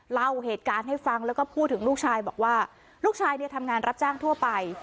เล่าเหตุการณ์ให้ฟังแล้วก็พูดถึงลูกชายบอกว่าลูกชายเนี่ยทำงานรับจ้างทั่วไป